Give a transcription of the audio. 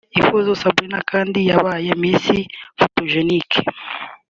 Ihozo Sabrina kandi yabaye Miss Photogenic